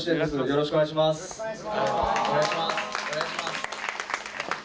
よろしくお願いします。